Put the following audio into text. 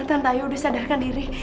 tante ayu sudah sadarkan diri